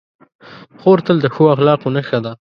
خور تل د ښو اخلاقو نښه ده.